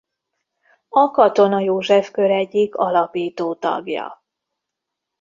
A Katona József Kör egyik alapító tagja.